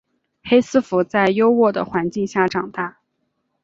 罗斯福在优渥的环境下长大。